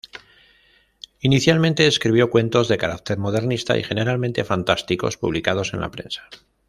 Inicialmente, escribió cuentos de carácter modernista y generalmente fantásticos, publicados en la prensa.